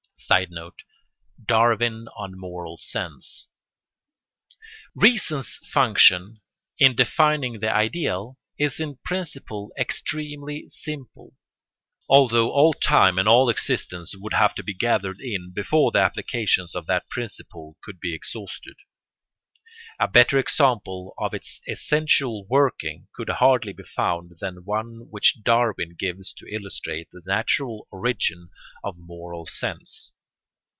[Sidenote: Darwin on moral sense.] Reason's function in defining the ideal is in principle extremely simple, although all time and all existence would have to be gathered in before the applications of that principle could be exhausted. A better example of its essential working could hardly be found than one which Darwin gives to illustrate the natural origin of moral sense.